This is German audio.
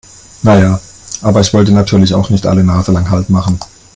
Na ja, aber ich wollte natürlich auch nicht alle naselang Halt machen.